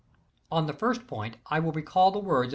On the first point I will recall the words of M.